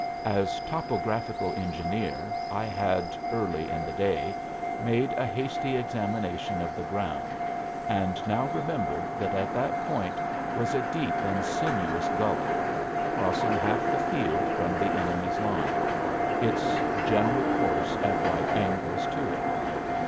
As topographical engineer I had, early in the day, made a hasty examination of the ground, and now remembered that at that point was a deep and sinuous gully, crossing half the field from the enemy's line, its general course at right angles to it.